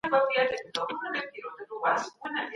غړو به د ښځو د سياسي ونډي ملاتړ کړی وي.